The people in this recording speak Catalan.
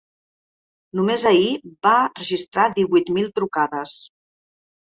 Només ahir va registrar divuit mil trucades.